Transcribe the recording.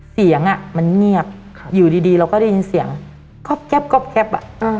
เสียงมันเงียบอยู่ดีเราก็ได้ยินเสียงก๊อบ